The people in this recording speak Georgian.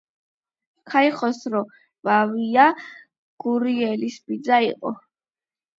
ქაიხოსრო მამია გურიელის ბიძა იყო.